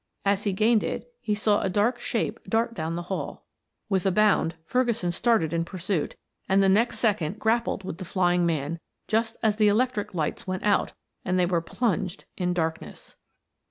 As he gained it, he saw a dark shape dart down the hall. With a bound Ferguson started in pursuit, and the next second grappled with the flying man just as the electric lights went out and they were plunged in darkness.